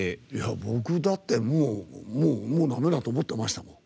僕、だってもう、だめだと思ってましたもん。